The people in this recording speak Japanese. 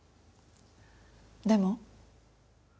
でも？